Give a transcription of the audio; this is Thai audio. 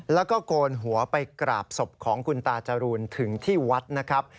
แล้วก็โกนหัวไปกราบศพของคุณตาจรูนถึงที่วัดนะครับ